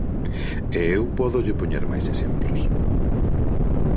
E eu pódolle poñer máis exemplos.